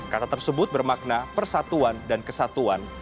kata tersebut bermakna persatuan dan kesatuan